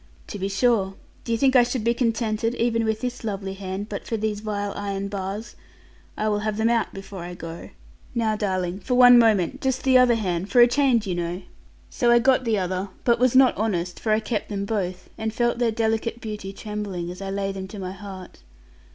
'To be sure. Do you think I should be contented, even with this lovely hand, but for these vile iron bars. I will have them out before I go. Now, darling, for one moment just the other hand, for a change, you know.' So I got the other, but was not honest; for I kept them both, and felt their delicate beauty trembling, as I laid them to my heart.